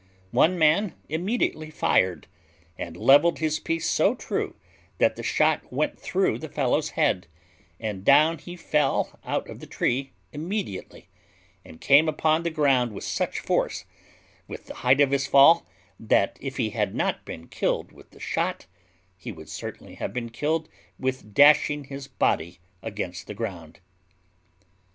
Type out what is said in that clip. One man immediately fired, and levelled his piece so true that the shot went through the fellow's head; and down he fell out of the tree immediately, and came upon the ground with such force, with the height of his fall, that if he had not been killed with the shot, he would certainly have been killed with dashing his body against the ground.